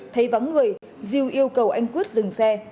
thấy vắng người diêu yêu cầu anh quyết dừng xe